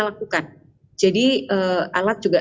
lakukan jadi alat juga